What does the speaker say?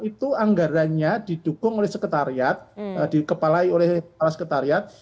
itu anggaranya didukung oleh sekretariat dikepalai oleh sekretariat